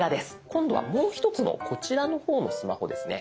今度はもう１つのこちらの方のスマホですね。